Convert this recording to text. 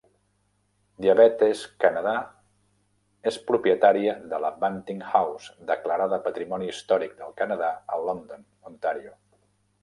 Diabetes Canada és propietària de la Banting House, declarada patrimoni històric del Canadà, a London, Ontario.